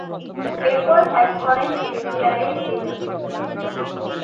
এরপর হ্যাক করেন এফবিআই-এর ডাটাবেজ।